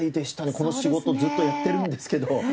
この仕事ずっとやってるんですけど。